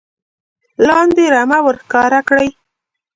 لاندې رمه ور ښکاره کړي .